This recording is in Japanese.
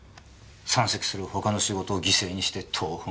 山積する他の仕事を犠牲にして東奔西走。